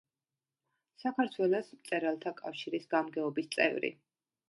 საქართველოს მწერალთა კავშირის გამგეობის წევრი.